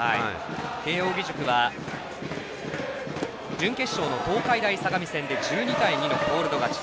慶応義塾は準決勝の東海大相模戦で１２対２のコールド勝ち。